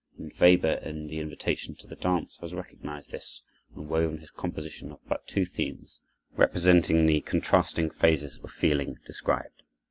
And Weber, in the "Invitation to the Dance," has recognized this and woven his composition of but two themes, representing the contrasting phases of feeling described.